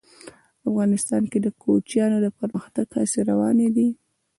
افغانستان کې د کوچیانو د پرمختګ هڅې روانې دي.